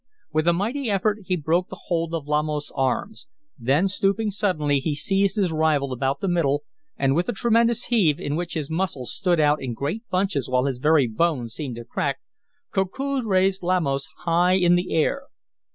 With a mighty effort he broke the hold of Lamos' arms. Then stooping suddenly he seized his rival about the middle, and with a tremendous heave, in which his muscles stood out in great bunches while his very bones seemed to crack, Koku raised Lamos high in the air.